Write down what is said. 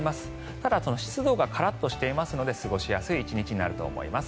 ただ、湿度がカラッとしていますので過ごしやすい１日になると思います。